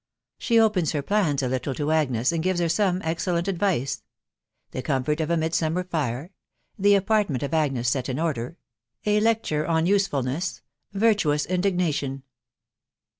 SHE OPENS HKR PLANS A LITTLE TO AGNES, AND GIVES HER SOME EXCELLENT ADVICE. — THE COMFORT OF A MIDSUMMER FIRE. — THE APARTMENT OF AGNES SET IN ORDER, A LECTURE ON USEFULNESS. VIRTUOUS INDIGNATION.